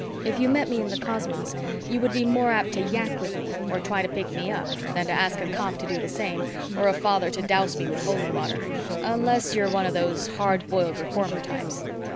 If you met me in the cosmos, you would be more apt to yak with me or try to pick me up than to ask a cop to do same or a father to douse me with holy water, unless you are one of those hard boiled reformer types.